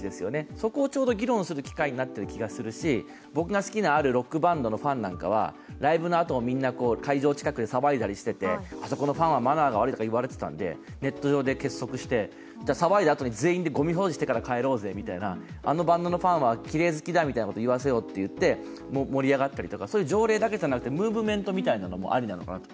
そこをちょうど議論する機会になってると思いますし僕が好きな、あるロックバンドのファンなんかは、会場近くで騒いだりしててあそこのファンはマナーが悪いとか言われたりしていたのでネット上で結束して、じゃあ騒いだあとに全員でごみ掃除してから帰ろうぜとか、あそこのファンはいいと、盛り上がったりとかそういう条例だけじゃなくてムーブメントみたいなものもアリなのかなと。